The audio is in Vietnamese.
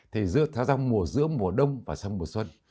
thì ta ra mùa giữa mùa đông và xong mùa xuân